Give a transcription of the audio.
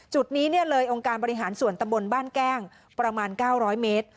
จุดนี้เลยองค์การบริหารส่วนตำบลบ้านแก้งประมาณ๙๐๐เมตร